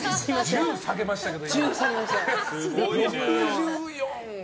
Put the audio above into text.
１０下げましたけど。